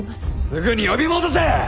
すぐに呼び戻せ！